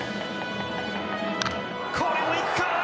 これも行くか！